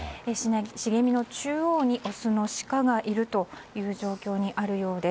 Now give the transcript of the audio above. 茂みの中央にオスのシカがいるという状況にあるようです。